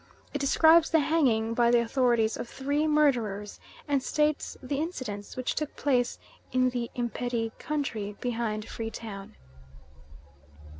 It describes the hanging by the Authorities of three murderers, and states the incidents, which took place in the Imperi country behind Free Town.